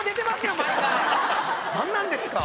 なんなんですか。